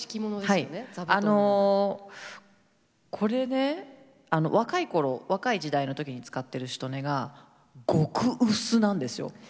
これね若い頃若い時代の時に使ってるしとねが極薄なんですよ。